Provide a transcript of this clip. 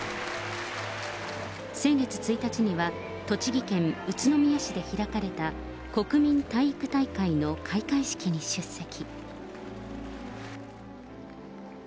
先月１日には、栃木県宇都宮市で開かれた、国民体育大会の開会式に出席。